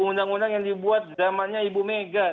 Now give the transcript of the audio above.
undang undang yang dibuat zamannya ibu mega